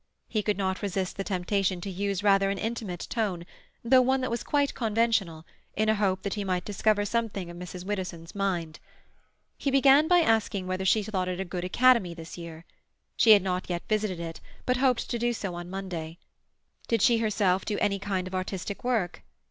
He could not resist the temptation to use rather an intimate tone, though one that was quite conventional, in the hope that he might discover something of Mrs. Widdowson's mind. He began by asking whether she thought it a good Academy this year. She had not yet visited it, but hoped to do so on Monday. Did she herself do any kind of artistic work?